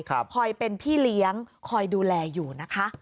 คอยเป็นพี่เลี้ยงคอยดูแลอยู่นะคะ